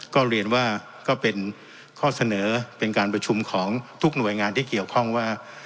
ก็เรียนว่าก็เป็นข้อเสนอเป็นการประชุมของทุกหน่วยงานที่เกี่ยวข้องว่า